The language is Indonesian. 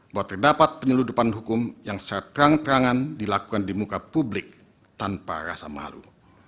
bahwa terdapat penyeludupan hukum yang seterang terangan dilakukan di muka publik tanpa rasa malu